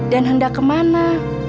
dan hendak ke mana